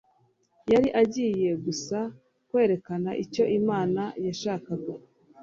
yari agiye gusa kwerekana icyo imana yashakaga